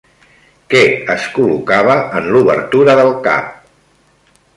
Què es col·locava en l'obertura del cap?